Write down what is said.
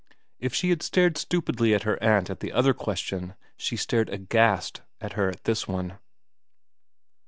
If she had stared stupidly at her aunt at the other question she stared aghast at her at this one.